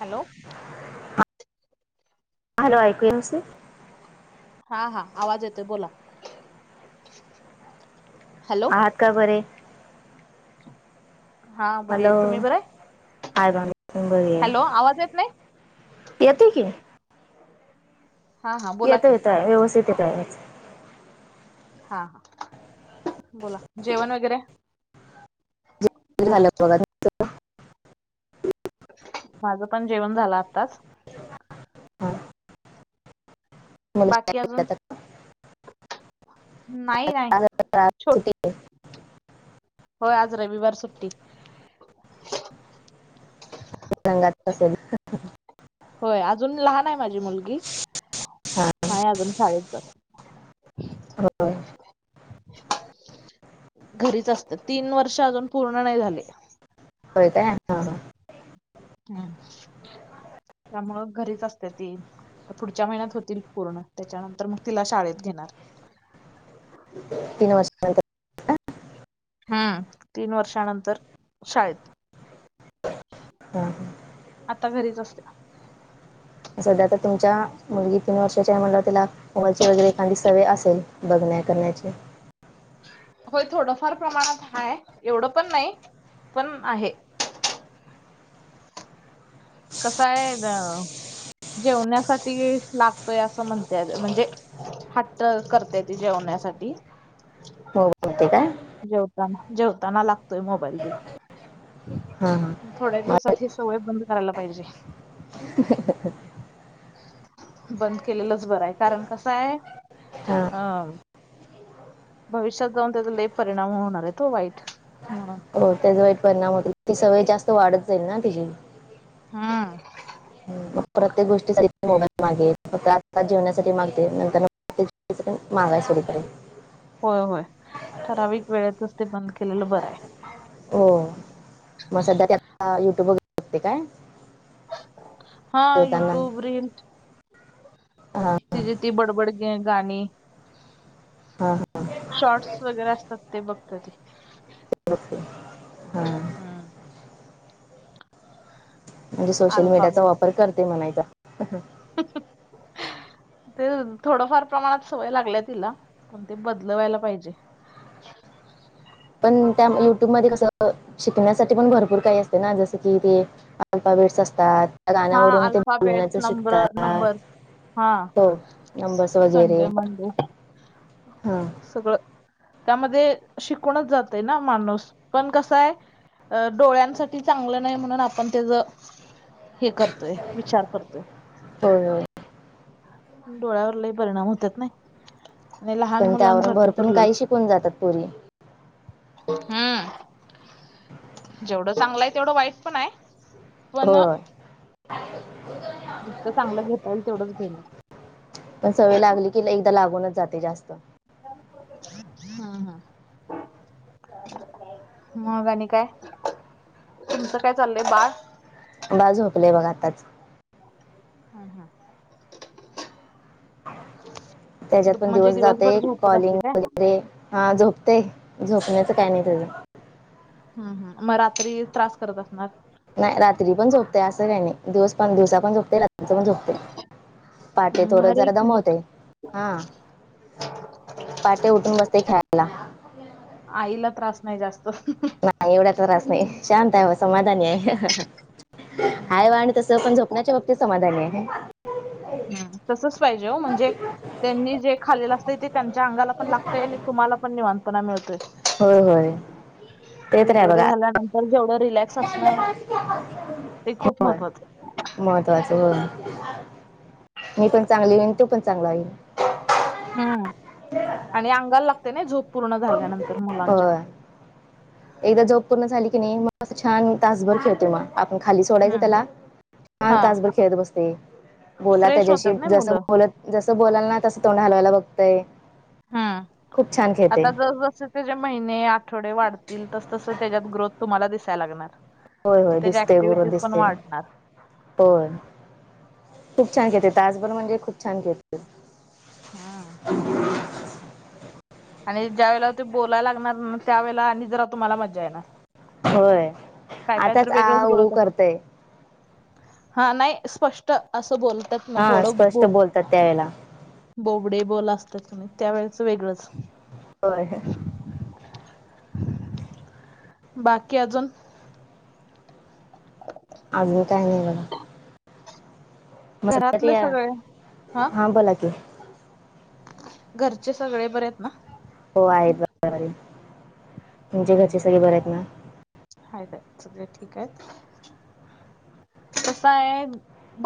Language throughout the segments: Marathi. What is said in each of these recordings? हॅलो ह हॅलो ऐकू येस हा हा आवाज येतोय बोला हॅलो आहात का बरे हा हॅलो बरे तुम्ही बरे हाय [unintelligible] हॅलो आवाज येत नाही येत की. हा हा बोला येत की येत व्यवस्थित येत आहे. हा ह बोला जेवण वगैरे? झाला बघा. माझं पण जेवण झालं आताच. हा बाकी अजून म [unintelligible] नाही नाही छोट होय आज रविवार सुट्टी. रंगा असेल. होय अजून लहान आहे माझी मुलगी नाही अजून शाळेत जात. होय घरीच असत तीन वर्ष अजून पूर्ण नाही झाले. होय का हा हा. हम् त्यामुळं घरीच असते ती. पुढच्या महिन्यात होतील पूर्ण त्याच्यानंतर मग तिला शाळेत घेणार. तीन वर्षंत हम्म तीन वर्षानंतर शाळेत. ह आता घरीच असणार. सध्या आता तुमच्या मुलगी तीन वर्षाच्या म्हंवर त्याला मोबाईलचे वगैरे एखादी सव असेल बघण्या करण्याचे. होय थोडंफार प्रमाणात हा एवढं पण नाही पण आहे. कसय ना जेवण्यासाठी लागतोय असं म्हणतेय म्हणजे. हट्ट करताय त जेवण्यासाठी होते काय? जेवताना जेवताना लागतोय मोबाईल. हम हम थोड्या दिवसात ह सोय बंद कराय लाग [inaudible] बंद केलेलंच बरं आहे कारण कस आहे हां अ भविष्यात जाऊन त्याचाले परिणाम होणार आहे तो वाईट म्हणून हो त्याचा वाईट परिणाम होतो ती सवय जास्त वाढत जाईल ना तीजी हम् मग प्रत्येक गोष्टीसाठी मोबाईल मागे फ आात जेवण्यासाठी मागते नंतर [unintelligible] होय होय ठराविक वेळेतच ते बंद केलेलं बरं आहे. हो मग सध्या त्या युट्यूब व शकते काय? हा जेवताना युट्यूब रील हा तिची ती बडबड ग गाणी. हा हा शॉर्टस वगैरे असतात ते बघत ते. बघते हा हम म्हणजे सोशल मीडियाचा वापर करते म्हणायचा. स [unintelligible] ते थोडफार प्रमाणात सवय लागल्या तिला पण ते बदलवायला पाहिजे. पण त्या युट्यूब मध्ये कसं शिकण्यासाठी पण भरपूर काही असत. ना जस कि ते अल्पा बेट्स असतात. हा गाण्यावरून ते अल्फाबेट बोलण्याच नंबर शिकता. नंबर हा हो नंबर्स वगैरे संडे मंडे हा. सगळं त्यामध्ये शिकूणच जातय ना माणूस हा पण कस हाय? अ डोळ्यांसाठी चांगलं नाही, म्हणून आपण तेच हे करतोय, विचार करतोय हो हो. डोळ्यावर लई परिणाम होत्यात नाही. आणि लहान पण त्यावरून मुलांसाठी तर भरपूर काही लईच शिकून जातात पुरी हम्म जेवढं चांगलं हाय, तेवढं वाईट पण हाय पण होय जितकं चांगलं घेता येईल तेवढच घेण पण सवय लागली की लई एकदा लागूनच जाते जास्त हा हा. मग आणि काय? तुमचं काय चाललंय बाळ बाळ झोपलय बघ आताच हा हा. त्याच्यात दुप- पण म्हणजे दिवस दिवसभर जातोय, झोपत असते कॉलिंग काय वगैरे हा झोपतय, झोपण्याचं काय नाही तेज? हा हा मग रात्री त्रास करत असणार नाही रात्री पण झोपतय असं काय नाही, दिवस पण दिवसा पण झोपतय रात्री पण झोपतय पहाटे हं, थोडं भारी आहे जरा की मग दमवतय हा. पहाटे उठून बसतय खेळाय. आईला त्रास नाही जास्त [unintelligible] नाही एवढा त्रास नाही, शांत हाय व समाधानी हाय. हाय हं, वा आणि तसं पण झोपण्याच्या बाबतीत समाधानी हाय. हम् तसच पाहिजे हो म्हणजे त्यांनी जे खालेलं असतंय, ते त्यांच्या अंगाला पण लागतय आणि तुम्हाला पण निवांतना मिळतोय. होय होय ते तर आहे डिलिव्हरी बघा झाल्यानं तर जेवढं रिलॅक्स असणं ते खूप महत्वाचं. महत्वाच होय, मी पण चांगली होईन तू पण चांगला होईन. हम्म हं आणि अंगाला लागतय नाई, झोप पूर्ण झाल्यानंतर मुलांच्या होय एकदा झोप पूर्ण झाली की नाई, मग छान तासभर खेळतोय, मग आपण खाली सोडायचं हं त्याला छान हा तासभर खेळत बसतय, बोला फ्रेश त्याच्याशी होतात ना जस मुलं बोलत जसं बोलाल ना तसं तोंड हलवायला बघतंय. हा खूप छान खेळते आता जस जस त्याचे महिने आठवडे, वाढतील तर तस तसं त्याच्यात ग्रोथ तुम्हाला दिसायला लागणार. होय होय त्याच्या दिसतेय बरं ऍक्टिव्हिटीज पण दिसतेय. वाढणार होय खूप छान खेळतय तासभर म्हणजे खूप छान खेळतय. हा. आणि ज्या वेळेला ते बोलायला लागणार त्यावेळेला आणि जरा तुम्हाला मज्जा येणार व्हय काय काय तर आताच आ वेगळंच ऊ बोलत करतय? हा नाही स्पष्ट असं बोलत्यात ना हा थोड स्पष्ट बोब बोलतात त्यावेळेला बोबडे बोल असत्यात तु त्यावेेळेचं वेगळंच. व्हय व्हय. बाकी अजून अगली काय नाही बघा. [inaudible] मस घरातले आता सगळे हा बोला की, घरचे सगळे बर आहेत ना होय आई जप्त करून हम ह हा सगळे ठीक आहेत. [inaudible] पप्पा आहेत.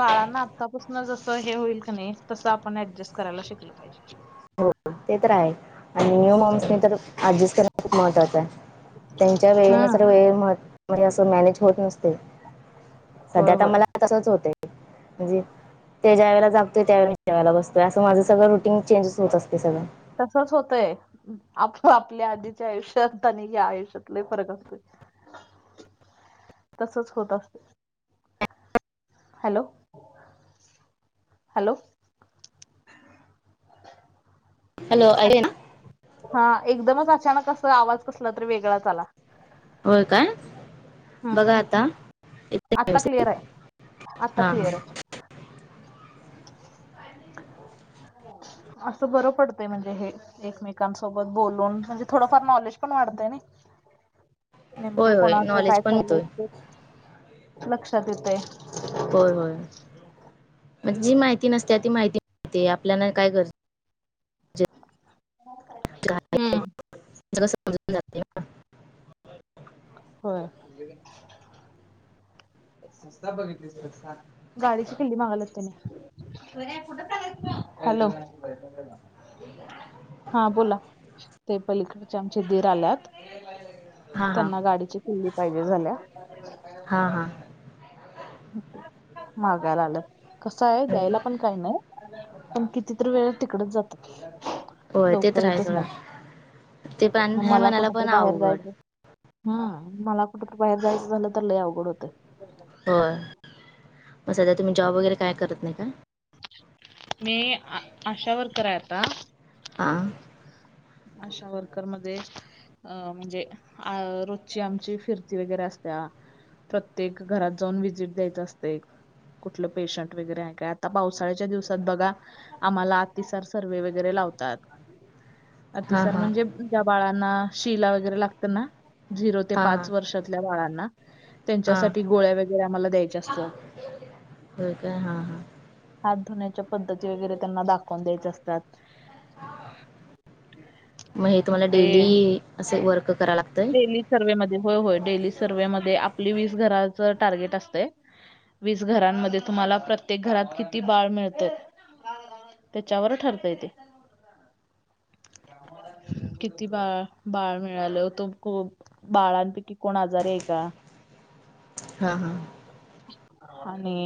बाळांना आतापासून जसं हे होईल क नाही तसं आपण ऍडजस्ट करायला शिकल पाहिजे हो ते तर रा आहे आणि न्यू मॉम्स मी तर अडजस्ट करण खूप महत्त्वाचं आहे त्यांच्या वेळेन हम्म तरर वेळ मह म्ह अस मॅनेज होत नसते सध्या होय तर होय मला तसच होत म्हणजे ते ज्या वळेला जगतोय त्यावेला ज्या वळेला बसतोय असं माझं सगळं रुटीन ंजेस होत असतं ते सगल तसच होतय आप आपल्या आधीच्या आयुष्यात आणि या आयुष्यातला फरक असतोय तसच होत असते हॅलो हॅलो हॅलो अरणा हा एकदमच अचानक अस आवाज कसला तरी वेगळाच आला हो काय बघा हम्म आता आता इव क्लिअर आहे आता हा हा क्लिअर आहे असं बरं पडतय म्हणजे हे एकमेकांसोबत बोलून म्हणजे थोडंफार नॉलेज पण वाढतंय ना ह नेमकं कोणा असं काय चाललं ते लक्षात येतय होय होय म्हणजे जी माहिती नसते ती माहिती आपल्याला काय गरजं हम्म स समजून जाते हो स बघितली गाडीची किल्ली मागाल होते मी कुठ हॅलो हा बोला ते पलीकडचे आमचे दीर आल्यात हां हां त्यांना गाडीची किल्ली पाहिजे झाल्या हा हा मागायला आलं कसं आहे होय द्यायला पण काही नाही पण कितीत वेळ तिकडच जात होय ते लवकर तर आहे येतच सोडा ते नाही पण म आहे मला म्हणायला कुठतरी पण बाहेर अवघड जायचं हम मला कुठुरी बाहेर जायचं झालं तर लय अवघड होतं हो म सध्या तुम्ही जॉब वगैरे काय करत नाही का मी आशा वर्कर आहे आता हां अशा वर्करमध्ये अं म्हणजे अ रोजची आमची फिरती वगैरे असत्या प्रत्येक घरात जाऊन व्हजिट द्यायचं असतं एक ुठलं पेशंट वगैरे आहे काय आता पावसाळ्याच्या दिवसात बघा आम्हाला अतिसार सर्वेहे वगैरे लावतात हां अतिसार हां म्हणजे ज्या बाळांना शिला वगैरे लागतं ना झिरो ते हां हां पाच वर्षात बाळांना हां त्यांच्यासाठी गोळ्या वगैरे आम्हाला द्यायच्या असतात हो काय हा हा हात धुण्याच्या पद्धती वगैरे त्यांना दाखवून द्यायचे असतात मग हे तुम्हाला डेली असे वर्क करा लागत डेली सर्व्हे मध्ये होय होय डेली सर्व्हे मध्ये आपली वीस घराच टार्गेट असते वीस घरांमध्ये तुम्हाला प्रत्येक घरात किती बाळ मिळत त्याच्यावर ठरतय ते किती बाळ बाळ मिळालं होतं खूप बाळांपैकी कोण आजार आहे का हा हा आणि.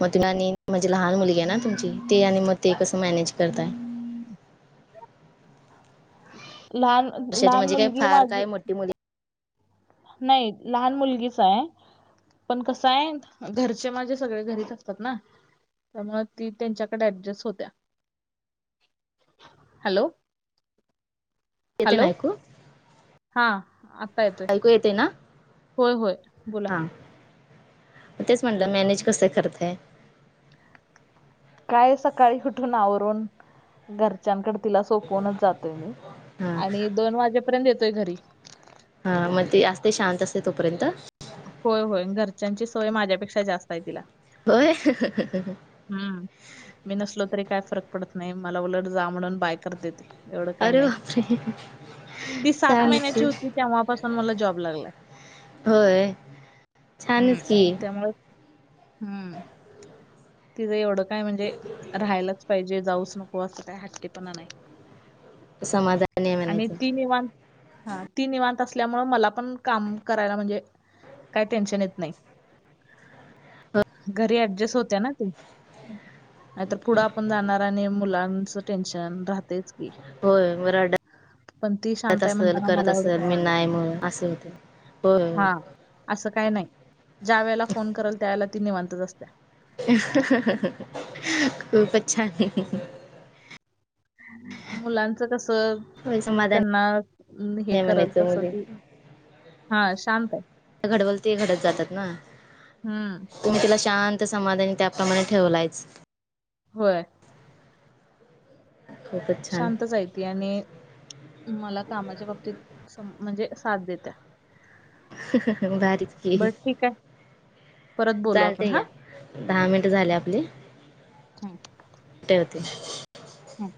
मग तिला आणि मजे लहान मुलगी आहे ना तुमची ते आणि मग ते कस मॅनेज करताय. लहान लहान मुलगी माझी. ती मुली. नाही लहान मुलगीच आहे. पण कसं आहे घरचे माझे सगळे घरीच असतात ना. त्यामुळे ती त्यांच्याकडे ऍडजस्ट होत्या हॅलो. येते ना हॅलो ऐकू. हा आता येतय. ऐकू येते ना. होय होय बोला. म तेच म्हटलं मॅनेज कसं करतय. काय सकाळी उठून आवरून. घरच्यांकडे तिला सोपवूनच जातोय मी हां आणि दोन वाजेपर्यंत येतोय घरी. हा मग ते असते शांत असते तोपर्यंत. होय होय घरच्यांची सोय माझ्यापेक्षा जास्त आहे तिला. होय ह ह ह ह ह. हम्म मी नसलो तरी काय फरक पडत नाही मला उलट जा म्हणून बाय करते ती. एवढं काय अरे नाही बापरे. ती सात छानच की महिन्याची होती तेव्हापासून मला जॉब लागलाय. होय. छानच हम्म की त्यामुळे हम्म. तिज एवढं काय म्हणजे राहायलाच पाहिजे जाऊच नको असं काय हट्टेपणा नाही. ह [inaudible] आणि ती निवांत. हा ती निवांत असल्यामु मला पण काम करायला म्हणजे. काय टेन्शन येत नाही हो घरी अऍडजस्ट होत्या ना ती. नाहीतर पुढं आपण जाणार आणि मुलांच टेन्शन राहतेच. की होय रड पण ती त शांत आहे असल म्हणताना करत मला एवढं असेल काय मी वाटत नाही म्हणून असे होते हो. हा असं काही नाही ज्या वेळेला फोन करल त्यावेेळेला ती निवांतच असत. खूप छान. मुलांचं कस. होय समाधान त्यांना हे नाही करल म्हणायचं तसं मुली ती. हा शांत आहे घडवल ते घडत जातात ना हम्म. तुम्ही तिला शांत समाधानी त्याप्रमाणे ठेवलायच. होय. खूपच छान शांतच हाय ती आणि मला कामाच्या बाबतीत सं म्हणजे साथ देत्या. भारीच की. बरं ठीक आहे परत बोलू आपण चालते हा घ्या दहा मिनट झाले आपली. हम्म, ठेवते. हम्म.